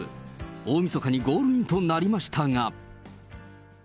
大みそかにゴールインとなりましたが。